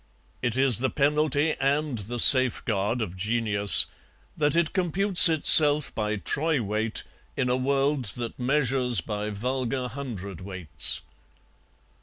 It is the penalty and the safeguard of genius that it computes itself by troy weight in a world that measures by vulgar hundredweights.